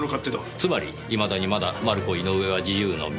つまりいまだにまだマルコ・イノウエは自由の身。